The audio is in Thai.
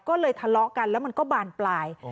ก็เลยทะเลาะกันแล้วมันก็บานปลาย